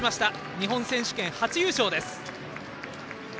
日本選手権初優勝です。